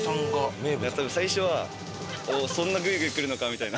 最初はそんなグイグイ来るのかみたいな。